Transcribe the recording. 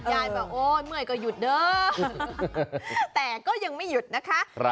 ยายบอกโอ๊ยเมื่อยก็หยุดเด้อแต่ก็ยังไม่หยุดนะคะ